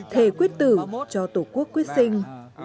thề quyết tử cho tổ quốc quyết sinh